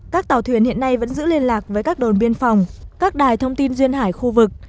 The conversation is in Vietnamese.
các tàu thuyền hiện nay vẫn giữ liên lạc với các đồn biên phòng các đài thông tin duyên hải khu vực